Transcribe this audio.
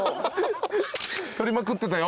撮りまくってたよ。